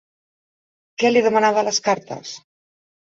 Què li demanava a les cartes?